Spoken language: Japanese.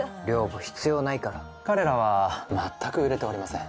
寮母必要ないから・彼らは全く売れておりません・